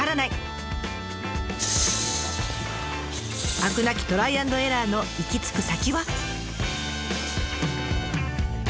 飽くなきトライアンドエラーの行き着く先は？